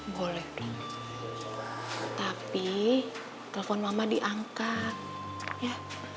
boleh tapi telepon mama diangkat ya